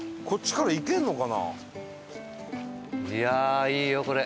いやあいいよこれ。